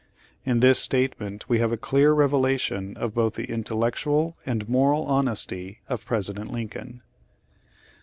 In this statement we have a clear revelation of both the intellectual and moral honesty of Presi dent Lincoln.